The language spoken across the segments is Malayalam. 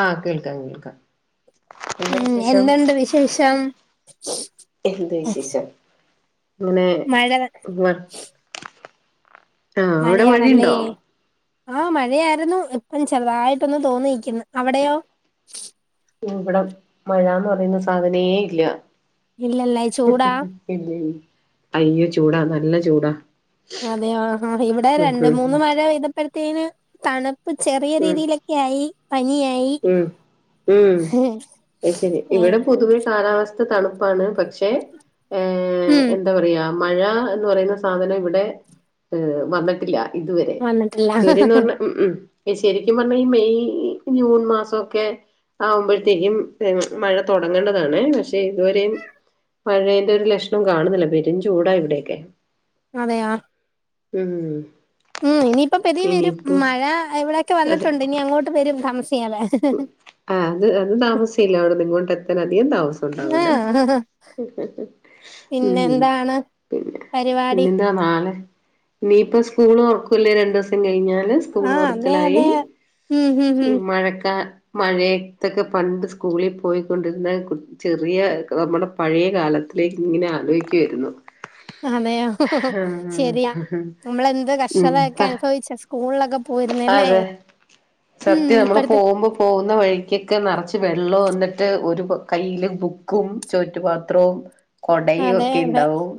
ആഹ് കേൾക്കാം കേൾക്കാം എന്താ ഉം വിശേഷം എന്തുണ്ട് വിശേഷം എന്ത് വിശേഷം ഇങ്ങനെ മഴ ആഹ് അവിടെ മഴയാണല്ലേ മഴയുണ്ടോ ആഹ് മഴയായിരുന്നു ഇപ്പം ചെറുതായിട്ടൊന്ന് തോന്നിക്കുന്ന അവിടെയോ ഇവിടെ മഴന്ന് പറയുന്ന സാധനേ ഇല്ല ഇല്ലല്ലേ ചൂടാ ഇല്ലി അയ്യോ ചൂടാ നല്ല ചൂടാ അതെയോ ആഹ് ഇവിടെ ഉം രണ്ട് മൂന്ന് ഉം മഴ പെയ്തപ്പോഴത്തെന് തണുപ്പ് ചെറിയ ഉം രീതിയിലെ ക്കെ ആയി പനിയായി ഉം ഉം അയ്ശരി ഏ ഇവിടെ പൊതുവെ കാലാവസ്ഥ തണുപ്പാണ് പക്ഷെ ഏഹ് ഉം എന്താ പറയാ മഴ എന്ന് പറയുന്ന സാധനം ഇവിടെ ഏഹ് വന്നിട്ടില്ല ഇതുവരെ വന്നിട്ടില്ല ഇതുവരെന്ന് പറഞ്ഞ ഉം ഉം ശരിക്കും പറഞ്ഞാ ഈ മെയ് ജൂൺ മാസൊക്കെ ആവുമ്പേഴ്ത്തേക്കും മഴ തുടങ്ങേണ്ടതാണെ പക്ഷെ ഇതുവരെയും മഴേന്റെ ഒരു ലക്ഷണോ കാണുന്നില്ല പെരും ചൂടാ ഇവിടെക്കെ അതെയാ ഉം ഉം ഇനിയിപ്പ പെതിയെ വരും ഇനിയിപ്പോ മഴ ഇവിടെയൊക്കെ അതെ വന്നിട്ടുണ്ട് ഇനി അങ്ങോട്ട് വരും താമസിക്കാതെ ആഹ് അത് അത് താമസയില്ല അവിട്ന്ന് ഇങ്ങോട്ട് എത്താൻ അധികം താമസം ആ ഉണ്ടാവൂല്ല ഉം പിന്നെ എന്താണ് പിന്നെ പരിപാടി പിന്നെന്താ നാളെ ഇനിയിപ്പ സ്കൂള് തുറക്കൂല്ലേ രണ്ട് ദിവസം കഴിഞ്ഞാല് സ്കൂൾ ആ അതെ തുറക്കലായി അതെ ഉം ഉം ഉം മഴ [unintelligible] മഴയത്തൊക്കെ പണ്ട് സ്കൂളിൽ പോയിക്കൊണ്ടിരുന്ന കു ചെറിയ നമ്മുടെ പഴയ കാലത്തിലേക്ക് ഇങ്ങനെ ആലോയിക്കുവായിരുന്നു അതെയോ [unintelligible] ശരിയാ നമ്മളെന്ത് ഉം പ കഷ്ടതയൊക്കെ അനുഭവിച്ച സ്കൂളിലൊക്കെ പോയിരുന്നെ അല്ലേ അതെ സത്യം നമ്മൾ പോ വുമ്പോ പോകുന്ന വഴിക്കൊക്കെ നിറച്ച് വെള്ളം എന്നിട്ട് ഒരു കൈയിൽ ബുക്കും ചോറ്റുപാത്രവും കുടയും അതെ ഒക്കെ അതെ ഉണ്ടാവും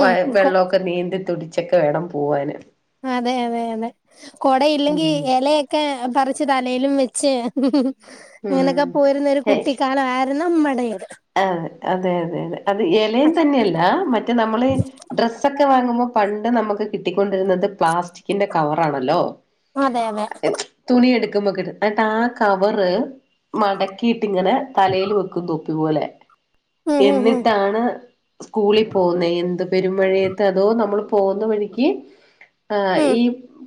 വ കൊ വെള്ളവൊക്കെ നീന്തി തുടിച്ചൊക്കെ വേണം പോവാന് അതെ അതെ അതെ കുട ഉം ഇല്ലെങ്കിൽ ഇല ക്കെ പറിച്ച് തലയിലും വെച്ച് ഉം അങ്ങനൊക്കെ പോയിരുന്ന ഒരു കുട്ടിക്കാലം ആയി രുന്നു നമ്മടേത് ആഹ് അതെ അതെ അതെ അത് ഇലയും തന്നെയല്ല മറ്റേ നമ്മള് ഡ്ര സ്സോക്കെ വാങ്ങുമ്പോൾ പണ്ട് നമുക്ക് കിട്ടിക്കൊണ്ടിരുന്നത് പ്ലാസ്റ്റിക്കിന്റെ കവർ ആണല്ലോ അതെ അതെ [unintelligible] തുണി എടുക്കുമ്പോക്കെ എന്നിട്ട് ആഹ് കവറ് മടക്കിയിട്ട് ഇങ്ങനെ തലേൽ വെക്കും തോപ്പി പോലെ ഉം ഉം ഉം എന്നിട്ടാണ് സ്കൂളിൽ പോന്നേ എന്ത് പെരും മഴയത്ത അതോ നമ്മൾ പോന്ന വഴിക്ക് ആഹ് ഉം ഈ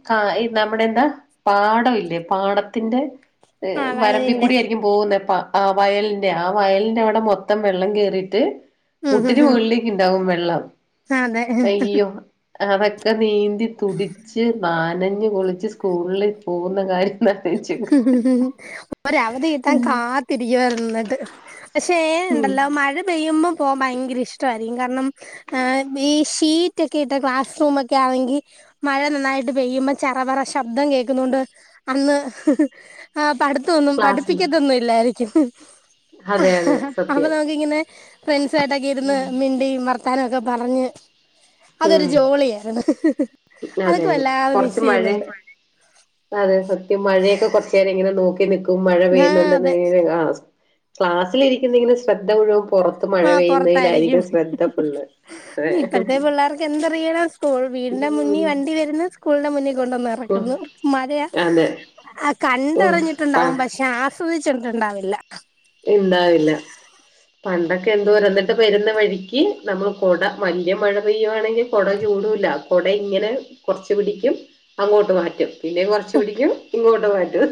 കാ നമ്മുടെ എന്താ പാടം ഇല്ലേ പാടത്തിന്റെ ആവായതിന്റെ വരമ്പിക്കൂടി ആയിരിക്കും പോകുന്നെപ്പ ആഹ് വയലിന്റെ ആഹ് വയലി ന്റെ അവിടെ മൊത്തം വെള്ളം കേയറിട്ട് ഉം ഉം മുട്ടിന് ഉം മുകളിലേക്ക് ഉണ്ടാകും വെള്ളം അതെ അയ്യോ അതൊക്കെ നീന്തി തുടിച്ച് നനഞ്ഞ് കുളിച്ച് സ്കൂളിൽ പോകുന്ന കാര്യം ഒന്ന് ആലോചിച്ച് നോക്ക് [unintelligible] ഒരു അവധി കിട്ടാൻ കാത്തിരിക്കുവായിരുന്നു എന്നിട്ട് പക്ഷെ ഏഹ് ഉം നുണ്ടല്ലോ മഴ പെയ്യുമ്പോ പോവൻ ഭയങ്കര ഇഷ്ടായിരിക്കും കാരണം ആഹ്ന്നെ ഈ ഷീറ്റ് ക്കെ ഇട്ട ക്ലാസ് റൂമ്ക്കെ ആണങ്കീ മഴ നന്നായിട്ട് പെയ്യുമ്പ ചറപറ ശബ്ദം കേക്ക്ന്നുണ്ട് അന്ന് [unintelligible] ആഹ് പട്ത്തൊന്നും ക്ലാസ്സില് പഠിപ്പിക്കതൊന്നും ഇല്ലായിരിക്കും [unintelligible] അതെ അതെ [unintelligible] അപ്പൊ സത്യം നമുക്കിങ്ങനെ ഫ്രണ്ട് സായിട്ടൊക്കെ ഇരുന്ന് മി [unintelligible] വർത്താനം ഒക്കെ പറഞ്ഞ് അതൊരു ജോളിയാര്ന്നു [unintelligible] ഉം അതെ അതെ കൊർച്ച് മഴെം അതെ സത്യം മഴെയൊക്കെ കൊർച്ചേരം ഇങ്ങനെ നോക്കി നിക്കും മഴ ആ അതെ പെയ്യുന്നുണ്ടെന്ന്ങ്ങനെ ആഹ് ക്ലാസ്സിലെരിക്കുന്നെങ്കിലും ശ്രദ്ധ മുഴും പുറത്ത് മഴ ആഹ് പൊറത്തായിരിക്കും പെയ്യുന്നയ്ലായിരിക്കും സ്രദ്ധ ഫുള്ള് എന്തറിയണാ സ്കൂൾക്ക് വീടിന്റെ മുന്നീ ഉം വണ്ടി വരുന്ന് സ്കൂൾന്റെ മുന്നീ കൊണ്ടുന്ന് ഉഫ് എറക്ക്ന്ന് മഴയാ അതെ ആഹ് ഉഫ് പ കണ്ടറിഞ്ഞിട്ട്ണ്ടാവും പക്ഷെ ആസ്വദിച്ചിട്ട്ണ്ടാവില്ല ഇണ്ടാവില്ല പണ്ടൊക്കെ എന്തോരം എന്നിട്ട് വരുന്ന വഴിക്കി നമ്മൾ കൊട വല്യ മഴ പെയ്യുവാണെങ്കിൽ കൊട ചൂടൂല്ല കൊട ഇങ്ങനെ കൊർച്ച് പിടിക്കും അങ്ങോട്ട് മാറ്റും പിന്നെം കൊർച്ചു പിടിക്കും ഇങ്ങോട്ട് മാറ്റും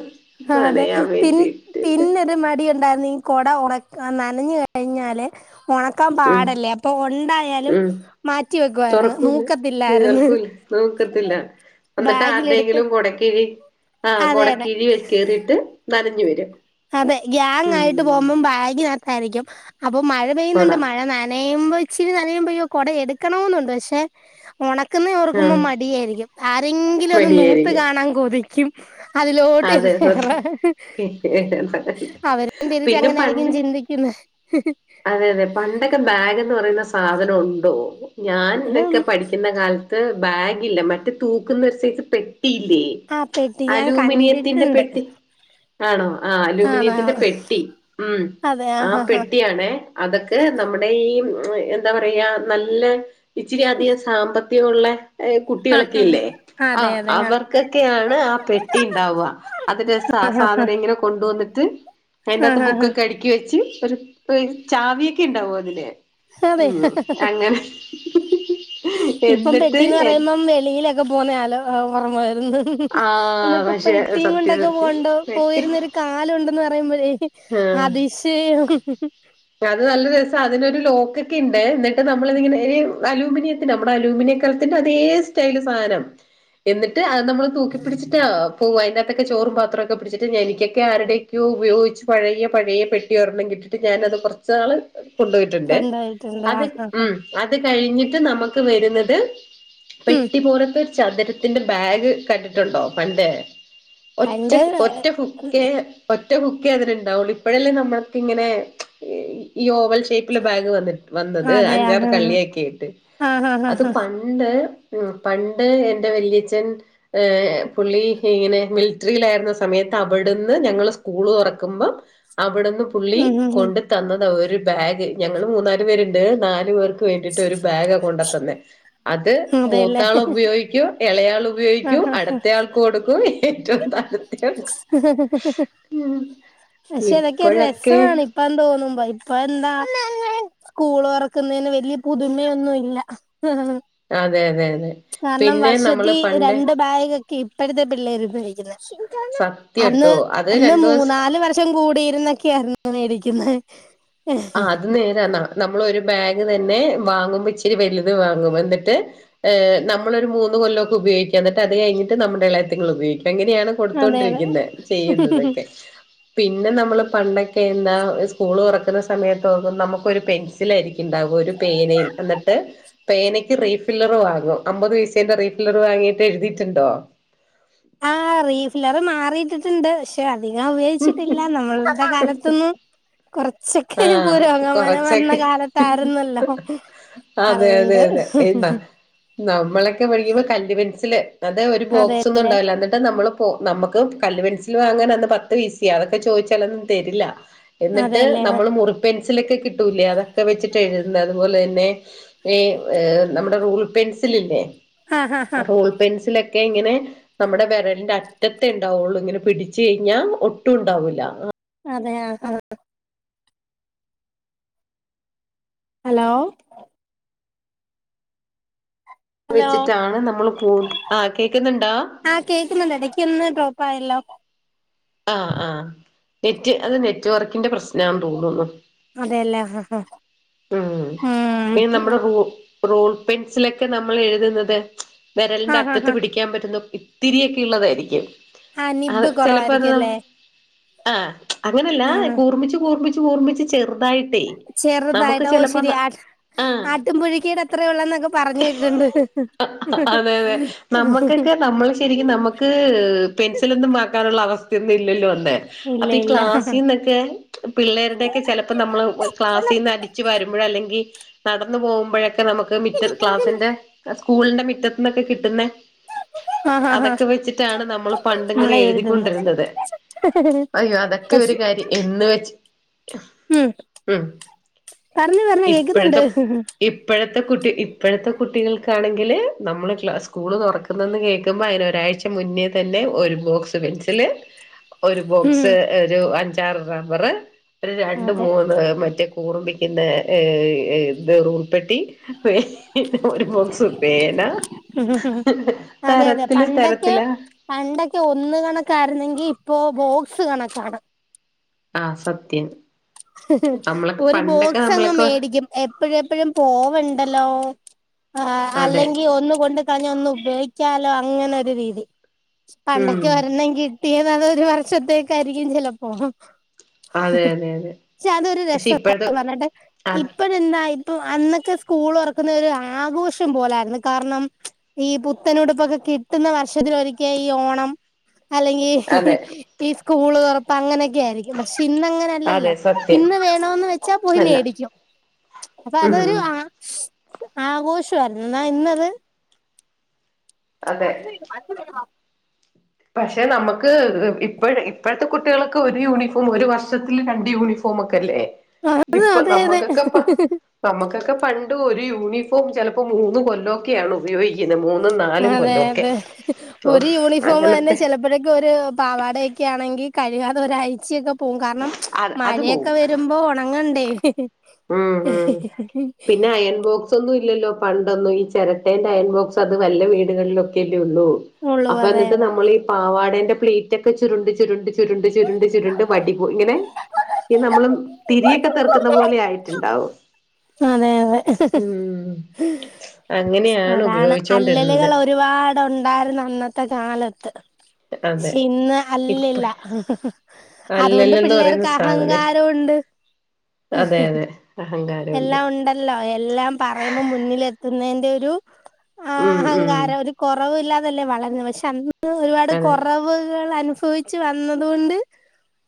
ആഹ് അതെ നനയാൻ പിൻ വേണ്ടിട്ട് പിൻ ന്നൊരു മടി ഇണ്ടായിരുന്ന് ഈ കൊട ഒണക്കാ നനഞ്ഞ് കഴിഞ്ഞാല് ഉണക്കാൻ ഉം പാടല്ലേ അപ്പൊ ഒണ്ടായാലും ഉം മാറ്റി വെക്കുവായിര്ന്ന് തുറക്കൂല നൂക്കത്തില്ലായിര്ന്ന് നീർക്കൂല നോക്കത്തില്ല എന്നിട്ട് ആര്ടെങ്കിലും കൊടക്കിഴി ആഹ് അതെ കൊടക്കിഴീ അതെ കേറിയിട്ട് നനഞ്ഞ് വരും അതെ ഉം ഗ്യാങ്ങായിട്ട് പോവുംമ്പം ബാഗി നകത്തായിരിക്കും അപ്പൊ മഴ പെയ്യ് ന്ന് കൊട ണ്ട് മഴ ന നെയുമ്പോ ഇച്ചിരി നനയുമ്പൊയോ കൊട എട്ക്കണോന്നുണ്ട് പക്ഷെ ഒണക്കന്നെ ഓർക്കുമ്പോ ആഹ് മടിയായിരിക്കും ആരെങ്കിലും ഒന്ന് നൂത്ത് മടിയായിരിക്കും കാണാം കൊതിക്കും അതിലോട്ട് ഏഹ് അവരും പിന്നെ തിരിച്ചങ്ങനെ പണ്ട് ആയിരിക്കും ചിന്തിക്കുന്നെ അതെ യതെ പണ്ടൊക്കെ ബാഗ് ന്ന് പറയുന്ന സാധനം ഉണ്ടോ ഞാനൊക്കെ പഠിക്കുന്ന കാലത്ത് ത് ബാഗില്ല മറ്റെ തൂക്കുന്ന ഒരു സൈസ് പെട്ടിയില്ലേ ആഹ് പെട്ടി ഞാൻ കൺ അലുമിനിയത്തിന്റെ പെട്ടി ആണോ ആഹ് ആണോ അലൂമിനിയത്തിന്റെ പെട്ടി ഉം അതെ ആ ആഹ് ഹാ ഹാ പെട്ടിയാണെ അതൊക്കെ നമ്മടെ ടെയും എന്താ പറയാ നല്ല ഇച്ചിരി അധികം സാമ്പത്തികുള്ളെ ആ ഏഹ്കുട്ടികളൊക്കെ ഹാ ഹാ ഇല്ലേ അതെ ആഹ് അതെ ആ അവർ കൊ ക്കെയാണ് ആ പെ ട്ടി ണ്ടാവാ അതിന്റെ സാ സാധന ഇങ്ങനെ കൊണ്ടുവന്നിട്ട് ആ അയിൻ്റാത്ത് ഹാ ഹാ ബുക്ക്ക്കെ അ ടക്കി വെച്ച് പ്പരു പ് ചാവിയെക്കെ ഉണ്ടാവും അതിന് ഹതെ ഇപ്പം എന്നിട്ട് പെട്ടീന്ന് എ പറയുമ്പം ള്ളീലൊക്കെ പോവുന്നെ കാലോ ഓർമ വരുന്നെ ആഹ് ന്നിട്ട് പക്ഷെ പെട്ടീം കൊണ്ട് സത്യം ക്കൊ സത്യം പോണ്ടെ പെട്ടി പോയിരുന്ന ഒരു കാലം കാലം ഉണ്ടന്ന് പറയുമ്പോഴെ അതിശയം ആഹ് അത് നല്ല രസാ അതിനൊരു ലോക്കൊക്കെ ഇണ്ടെ ന്നിട്ട് നമ്മളതിങ്ങനെ അലൂമിനിയത്തിന് നമ്മടെ അലൂമിനിയകലത്തിൻ്റെ അതേ സ്റ്റൈല് സാനം എന്നിട്ട് നമ്മള് തൂക്കി പ്പിടിച്ചിട്ടാ പോവാ അയിൻ്റെ അതെക്കെ ചോറും പാത്രക്കെ പിടിച്ചിട്ട് എനിക്കിക്കെ ആരുടെയ്ക്കിയോ ഉപയോഗിച്ച് പഴയെ പഴയെ പെട്ടി രൊണ്ണം കിട്ടിട്ട് ഞാനത് കൊർച്ച് നാള് കൊണ്ടോയിട്ട്ണ്ട് ഉണ്ടായിട്ടുണ്ട് അത് ആഹ് ആഹ് ആഹ് ഉം അത് കഴിഞ്ഞിട്ട് നമക്ക് വരുന്നത് ഉം പെട്ടി പോലെത്തെ ചതുരത്തിന്റെ ബാഗ് കണ്ടിട്ടുണ്ടോ പണ്ടേ ഒറ്റ പണ്ട് ഒറ്റ ഹുക്കേ ഒറ്റ ഹുക്കെ അതിന് ണ്ടാവുള്ളൂ ഇപ്പഴല്ലേ നമ്മൾക്കിങ്ങനെ ഏഹ് ഈ ഓവൽ ഷേപ്പ്ല് ബാഗ് വന്ന വന്നത് അതെ അഞ്ചാറ് ആഹ് കള്ളിയാകീട്ട് ആഹ് ആഹ് അത് ആഹ് പ ആഹ് പണ്ട് ഉം പണ്ട് എൻ്റെ വല്ലിയച്ഛൻ ഏ പുള്ളി ഇങ്ങനെ മിലിട്രിയിലായിരുന്ന സമയത്ത് അവിടുന്ന് ഞങ്ങള് സ്കൂള് തുറക്കുമ്പം അവിടെന്ന് പുള്ളി ഉം ഉം കൊണ്ടു തന്നതാണ് ഒരു ബാഗ് ഞങ്ങള് മൂന്നാലു പേരുണ്ട് നാലു പേർക്ക് വേണ്ടിയിട്ട് ഒരു ബാഗ കൊണ്ടത്തന്നെ അത് ഉം അതെല്ലേ മൂത്താൾ ഉപയോഗിക്കും ഇളയാൾ ഉപയോഗിക്കും ആഹ് ആഹ് ആഹ് അടുത്ത ആൾ കൊടുക്കും ഏറ്റും താ ഉം പക്ഷെ അതൊക്കെ ഇപ്പോഴൊക്കെ ഒരുരസമാണ് ഇപ്പന്തോന്നുമ്പ ഇപ്പ എന്താ സ്കൂൾ തുറക്കുന്നതിന് വല്യ പുതുമയൊന്നുംല്ല അതെ അതെ അതെ കാരണം പിന്നെ നമ്മള് വർഷത്തി പണ്ട് രണ്ട് ബാഗ് ഇപ്പോഴത്തെ പിള്ളേർ ഉപയോഗിക്കുന്നെ സത്യം അന്ന് ട്ടോ അത് അന്ന് രണ്ടു ദിവസം മൂന്നാല് വർഷം കൂടിയിരുന്നൊക്കെയായിരുന്നു മേടിക്കുന്നത് ആ അത് നേരന്നാ നമ്മളൊരു ബാഗ് തന്നെ വാങ്ങുമ്പോ ഇച്ചിരി വലുത് വാങ്ങും എന്നിട്ട് ഏ നമ്മളൊരു മൂന്ന്കൊല്ലൊക്കെ ഉപയോഗിക്ക്യഎന്നിട്ട് അത് കഴിഞ്ഞിട്ട് നമ്മുടെ ഇളയത്തിങ്ങൾ ഉപയോഗിക്ക എങ്ങനെയാണ് അതെ അതെ കൊടുത്തൊണ്ടിരിക്കുന്നെ ചെയ്യുന്നതൊക്കെ പിന്നെ നമ്മൾ പണ്ടൊക്കെന്താ സ്കൂൾ തുറക്കുന്ന സമയത്ത് നമുക്കൊരു പെൻ തിലാരിക്കണ്ടാവാ ഒരു പേനയും എന്നിട്ട് പേനക്ക് റീഫി റീഫില്ലർ വാങ്ങും അമ്പത് പൈസേന്റെ റീഫില്ലർ വാങ്ങിട്ട് എഴുതിയിട്ടുണ്ടോ ആ റീഫില്ലർ മാറിയിട്ടിട്ടുണ്ട് പക്ഷെ അധികം ഉപയോഗിച്ചിട്ടില്ല നമ്മൾടെ കാലത്തൊന്നും കൊറച്ചൊക്കെ ആഹ് പുരോഗമനം വന്ന കൊറച്ചൊക്കെ കാലത്തായിരുന്നല്ലോ അതെ അതെ അതുകൊണ്ട് അതെ എന്നാ നമ്മളൊക്കെ പഠിക്കുമ്പോ കല് പെൻസില് അത് ഒരു ബോക്സൊന്നും അതെല്ലേ ഉണ്ടാവില്ല എന്നിട്ട് നമ്മള് അ നമുക്ക് കല്ല് പെൻസിൽ വാങ്ങാൻ അന്ന് പത്ത് പൈസെയ അതൊക്കെ ചോദിച്ചാൽന്നും തരില്ല എന്നിട്ട് അതെല്ലേ നമ്മൾ മുറി പെൻസിലൊക്കെ കിട്ടൂലേ അതൊക്കെ വെച്ചിട്ട് എഴുന്നത് അതുപോലെ തന്നെ നമ്മുടെ റൂൾ പെൻസിൽല്ലേ ആഹ് ആഹ് ആഹ് റൂൾ പെൻസിലൊക്കെ ക്കെ ഇങ്ങനെ നമ്മുടെ വിരലിന്റെ അറ്റത്തെ ഉണ്ടാവുള്ളൂ ഇങ്ങനെ പിടിച്ച കഴിഞ്ഞാ ഒട്ടും ഉണ്ടാവൂല്ല അതെ ആ ആഹ് ഹലോ ഹലോ വെച്ചിട്ടാണ് നമ്മൾ കൂ ആ കേക്കുന്നുണ്ടോ ആഹ് കേൾക്കുന്നുണ്ട് ഇടയ്ക്ക് ഒന്നും ഡ്രോപ്പ് ആയല്ലോ ആഹ് ആഹ് നെറ്റ് അത് നെറ്റ്വർക്കിന്റെ പ്രശ്നമാന്ന് തോന്നുന്നു അതെല്ലേ ആ ആ ആഹ് ഉം പിന്നെ നമ്മുടെ റൂ റൂൾ പെൻസിലൊക്കെ നമ്മൾ എഴുതുന്നത് വിരലിന്റെ ആഹ് ആഹ് അറ്റത്ത് ആഹ് പിടിക്കാൻ പറ്റുന്ന ഇത്തിരിയൊക്കെ ഉള്ളതായിരിക്കും ആ അത് നിബ്ബ് ചെലപ്പോ അത് കുറവായിരിക്കും അല്ലേ ആ അങ്ങനല്ല ആഹ് കൂർമിച്ച് കൂർമിച് കൂർമിച്ച് ചെറുതായിട്ടേ നമുക്ക് ചെറുതായതോ ചിലപ്പോ ശരിയാ ആഹ് ആട്ടും പുഴുക്കേട് അത്രയേ ഉള്ളൂ എന്നൊക്കെ പറഞ്ഞു കേട്ടിട്ടുണ്ട് അതെ അതെ നമ്മക്കൊക്കെ നമ്മള് ശരിക്കും നമുക്ക് പെൻസിലൊന്നും വാങ്ങാനുള്ള അവസ്ഥയൊന്നും ഇല്ലല്ലോ അന്ന് ഇല്ല അപ്പൊ ഈ ഇല്ല ക്ലാസ്സിൽ നിന്നൊക്കെ പിള്ളേരുടൊക്കെ ചിലപ്പോ നമ്മള് ക്ലാസ് അടിച്ചുവാരുമ്പോ അല്ലെങ്കിൽ നടന്നു പോകുമ്പോഴൊക്കെ നമുക്ക് മിറ്റ ക്ലാസി സ്കൂളിന്റെ മുറ്റത്തിന്നൊക്കെ കിട്ടുന്ന ആഹ് ആഹ് ആഹ് അതൊക്കെ വെച്ചിട്ടാണ് നമ്മൾ പണ്ടിങ്ങനെ നമ്മളെ എഴുതുന്ന് എഴുതിക്കൊണ്ടിരുന്നത് അയ്യോ അതൊക്കെ ഒരു പശു കാര്യം എന്ന് വെച്ച് ഉം ഉം പറഞ്ഞോ പറഞ്ഞോ കേക്കുന്നുണ്ട് ഇപ്പോഴത്തെ ഇപ്പോഴത്തെ കുട്ടി ഇപ്പോഴത്തെ കുട്ടികൾക്കാണെങ്കില് നമ്മള് ക്ലാസ് സ്കൂള് തുറക്ക കേൾക്കുമ്പോ അതിനൊരാഴ്ച മുന്നേ തന്നെ ഒരു ബോക്സ് പെൻസില് ഒരു ഉം ബോക്സ് ഒരു അഞ്ചാറ് റബ്ബർ ഒരു രണ്ട് അതെ മൂന്ന് മറ്റേ കൂർപ്പിക്കുന്ന റൂൾപ്പെെട്ടി ഒരു ബോക്സ്‌ പേന അതെ അതെ തരത്തില് പണ്ടൊക്കെ തരത്തില് പണ്ടൊക്കെ ഒന്ന് കണക്കായിരുന്നെങ്കി ഇപ്പോ ബോക്സ് കണക്കാണ് ആ സത്യം നമ്മളൊക്കെ ഒരു പണ്ടൊക്കെ ബോക്സ് അങ്ങ് നമ്മളൊക്കെ മേടിക്കും എപ്പോഴ എപ്പോഴും പോവണ്ടല്ലോആ അതെ അല്ലെങ്കി ഒന്നുകൊണ്ട് കളഞ്ഞ ഒന്ന് ഉപയോഗിക്കാലോ അങ്ങനെ ഒരു രീതി ഉം പണ്ടൊക്കെ ഒരണ്ണങ്കി തീരുന്നത് ഒരു വർഷത്തേക്കായിരിക്കും ചെലപ്പോ അതെ അതെ അതെ പക്ഷെ അതൊരു രസ പക്ഷെ [unintelligible] ഇപ്പോഴത്തെ പറഞ്ഞിട്ട്ഈ അത് ഇപ്പ എന്താ ഇപ്പൊ അന്നൊക്കെ സ്കൂൾ തോറക്കുന്നത് ഒരു ആഘോഷം പോലായിരുന്നു കാരണം ഈ പുത്തനുടുപ്പൊക്കെ കിട്ടുന്ന വർഷത്തിലൊരിക്ക ഈ ഓണം അല്ലെങ്കി അതെ ഈ സ്കൂൾ തോറപ്പ് അങ്ങനെയക്കെ ആയിരിക്കും പക്ഷ ഇന്നങ്ങനെ ല്ല അതെ സത്യം ഇന്ന് വേണന്ന് വെച്ചാ പോയി അല്ല മേടിക്കും അപ്പ അതൊരു ഉം ആ ആഘോഷആയിരുന്നു ഇന്നാ ഇന്നത് അതെ [unintelligible] പക്ഷെ നമക്ക് ഇപ്പ ഇപ്പോഴത്തെ കുട്ടികൾ ക്ക് ഒരു യൂണിഫോം ഒരു വർഷത്തിൽ രണ്ട് യൂണിഫോം ഫോമൊക്കെല്ലേ അതെ ഇപ്പ അതെ നമ്മക്കൊക്കെ പ്പ നമ്മക്കൊക്കെ പണ്ട് ഒരു യൂണിഫോം ചെലപ്പോ മൂന്ന് കൊല്ലോക്കെ ക്കെ ആണ് ഉപയോഗിക്കുന്ന മൂന്നും നലും അതെ കൊല്ല ഒക്കെ ഒ അങ്ങന ചെലപ്പോഴേക്കെ ഒരു പാവാടയൊക്കെ ആണെങ്കി കഴുകാതെ ഒരാഴ്ചയൊക്കെ പോകും കാരണം അത് അത് മഴയൊക്കെ പോവും വരുമ്പോ ഒണങ്ങണ്ടേ? ഉം ഉം പിന്നെ അയൺ ബോക്സ് സോ ഒന്നും ഇല്ലല്ലോ പണ്ടൊന്നും ഈ ചെരട്ടേന്റെ അയൺ ബോക്സ് അത് വല്ല വീടുകളിലൊക്കെല്ലേ ഉള്ളൂ ഉള്ളൂ അപ്പ അതെ എന്നിട്ട് അതെ നമ്മളീ പാവാടേന്റെ പ്ലീറ്റ് ക്കെ ചുരുണ്ട് ചുരുണ്ട് ചുരുണ്ട് ചുരുണ്ട് ചുരുണ്ട് വടിപ്പോ ഇങ്ങനെ ഈ നമ്മളും തിരിയൊക്കെ തേർക്കുന്ന പോലെ ആയിട്ടുണ്ടാവും അതെ അതെ ഉം അങ്ങനെയാണ് അതാണ് ഉപയോഗിച്ചോണ്ടിരുന്നത് അല്ലല്കള് ഒരുപാടുണ്ടാര് ന്നു അന്നത്തെ കാലത്ത് അതെ ഷി ഇന്ന് ഇപ്പ അല്ലില്ല അതുകൊണ്ട് അല്ലല്ലന്ന് പറയുന്ന പിള്ളേർക്ക് സാധനം അഹങ്കാര രോം ണ്ട് അതെ അതെ അഹങ്കാരമുണ്ട് എല്ലാം ഉണ്ടല്ലോ എല്ലാം പറയു മ്പോ മുന്നിലെത്തുതിന്റെ രു ആഹ് ഉം ഉം അഹങ്കാരം ഒരു കോറവ് ഇല്ലാതല്ലേ വളര് ന്ന് പക്ഷെ അന്ന് ഒരുപാട്കൊറ അതെ കൊ റവുകൾ അനുഫവിച്ച് വന്നതുകൊണ്ട്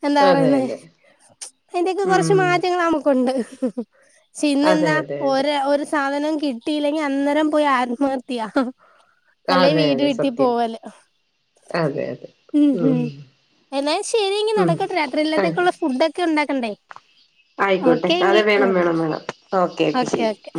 എന്താറീ അതെ ന്നേ അതെ അതിന്റെയൊക്കെ ഉം കൊറച്ച് മാറ്റങ്ങൾ ന മുക്കുണ്ട് പക്ഷെ അതെ ഇന്നെന്താ അതെ അതെ ഒര് ഒരു സാധനം കിട്ടിയില്ലെങ്കി അന്നേരം പോയി ആത്മഹത്യ അല്ലെയ് അതെ വീട് അതെ വിട്ടി സത്യം പോവല് അതെ അതെ ഉം ഹും എന്നാൽ ശരി എങ്കി ഉം നടക്കട്ടെ രാത്രില്ലാത്തേക്കുള്ള ഫുഡ്ഡ ക്കെ ഇണ്ടാക്കണ്ടേ? ആയിക്കോട്ടെ അതെ വേണം വേണം വേണം ഓക്കെ ഓക്കെ